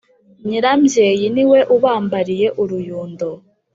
nyirambyeyi ni we ubambariye uruyundo.